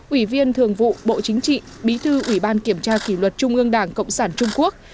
ủy viên thường vụ bộ chính trị bí thư ủy ban kiểm tra kỷ luật trung ương đảng cộng sản trung quốc